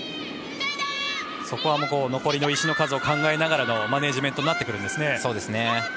そこは残りの石の数を考えながらのマネージメントになってくるんですね。